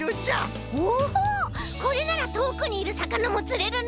これならとおくいるさかなもつれるね！